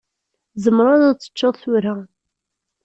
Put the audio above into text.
Tzemreḍ ad teččeḍ tura.